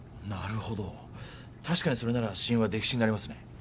なるほど確かにそれなら死因は溺死になりますね